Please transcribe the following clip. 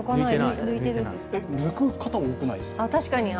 抜く方多くないですか？